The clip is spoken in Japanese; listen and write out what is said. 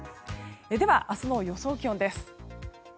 では、明日の予想気温です。